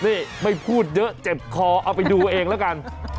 นี่ไม่พูดเยอะเจ็บคอเอาไปดูเองแล้วกัน